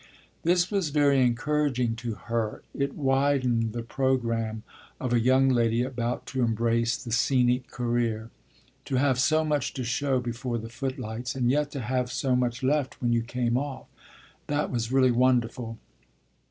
This was very encouraging to her it widened the programme of a young lady about to embrace the scenic career. To have so much to show before the footlights and yet to have so much left when you came off that was really wonderful.